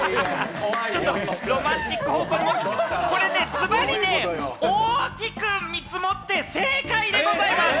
ズバリね、大きく見積もって、正解でございます。